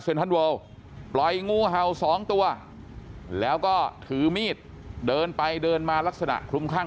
ทันเลิลปล่อยงูเห่าสองตัวแล้วก็ถือมีดเดินไปเดินมาลักษณะคลุมข้าง